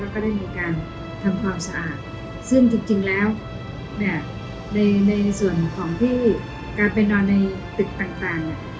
เราก็ได้มีการทำความสะอาดซึ่งจริงแล้วในส่วนของที่การไปนอนในตึกต่างอะ